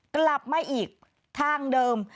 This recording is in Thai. กลับมาอีกทางเดิม